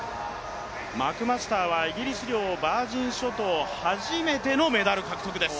マクマスターはイギリス領ヴァージン諸島初めてのメダル獲得です。